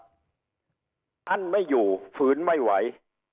อั้นไม่อยู่ฝืนไม่ไหว